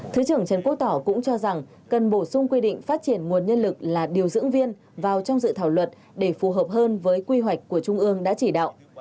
thứ trưởng trần quốc tỏ cũng cho rằng cần bổ sung quy định phát triển nguồn nhân lực là điều dưỡng viên vào trong dự thảo luật để phù hợp hơn với quy hoạch của trung ương đã chỉ đạo